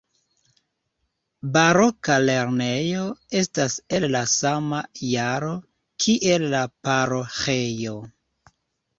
Baroka lernejo estas el la sama jaro kiel la paroĥejo.